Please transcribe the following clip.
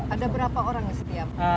ada berapa orang setiap